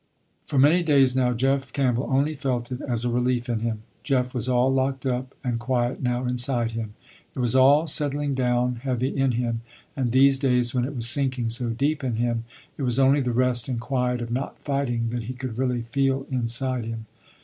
For many days now Jeff Campbell only felt it as a relief in him. Jeff was all locked up and quiet now inside him. It was all settling down heavy in him, and these days when it was sinking so deep in him, it was only the rest and quiet of not fighting that he could really feel inside him.